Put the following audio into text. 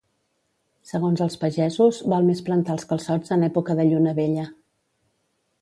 Segons els pagesos, val més plantar els calçots en època de lluna vella.